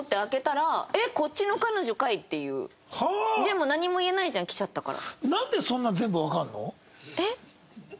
だからでも何も言えないじゃん来ちゃったから。